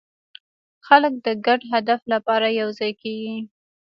خلک د ګډ هدف لپاره یوځای کېږي.